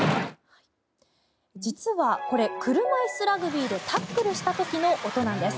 実はこれ、車いすラグビーでタックルした時の音なんです。